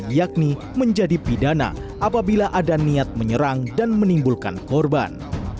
yakni menjadi pidana apabila ada niat menyerang dan menimbulkan korban